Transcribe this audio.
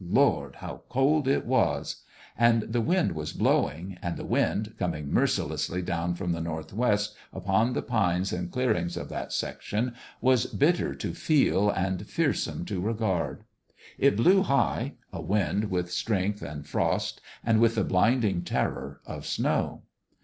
Lord, how cold it was ! And the wind was blowing ; and the wind, coming mercilessly down from the northwest upon the pines and clearings of that section, was bitter to feel and fearsome to re gard. It blew high a wind with strength and frost and with the blinding terror of snow.